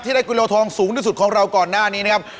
ได้กิโลทองสูงที่สุดของเราก่อนหน้านี้นะครับ